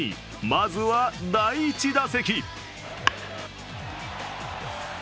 まずは第１打席。